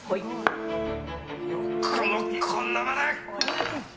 よくも、こんなマネ！